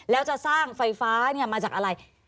แล้วจะสร้างไฟฟ้ามาจากอะไร